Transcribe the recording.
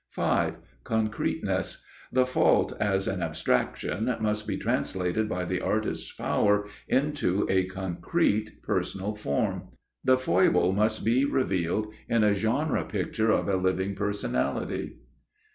5.—Concreteness: The fault as an abstraction must be translated by the artist's power into a concrete personal form. The foible must be revealed in a genre picture of a living personality.